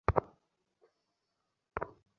এখন কি এইরকম রাগারাগি করিবার সময়!